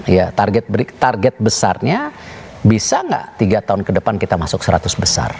ya target besarnya bisa nggak tiga tahun ke depan kita masuk seratus besar